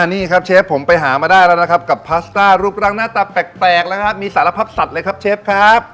นี่ครับเชฟผมไปหามาได้แล้วนะครับกับพาสต้ารูปร่างหน้าตาแปลกนะครับมีสารพัดสัตว์เลยครับเชฟครับ